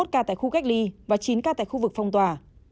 ba mươi một ca tại khu cách ly và chín ca tại khu vực phong tòa